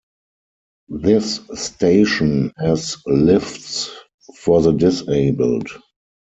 This station has lifts for the disabled.